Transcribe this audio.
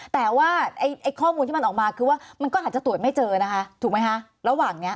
แต่ว่าข้อมูลที่มันออกมาคือว่ามันก็อาจจะตรวจไม่เจอนะคะถูกไหมคะระหว่างนี้